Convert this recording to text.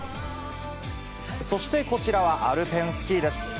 そして、こちらはアルペンスキーです。